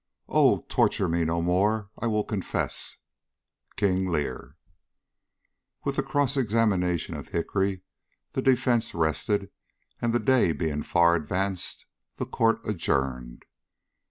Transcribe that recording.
Oh, torture me no more, I will confess. KING LEAR. WITH the cross examination of Hickory, the defence rested, and the day being far advanced, the court adjourned.